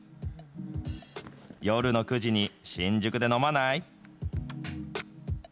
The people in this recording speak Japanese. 夜の９時に新宿で飲まない？